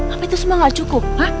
apa itu semua gak cukup